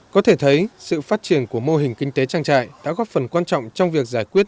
có thể thấy sự phát triển của mô hình kinh tế trang trại đã góp phần quan trọng trong việc giải quyết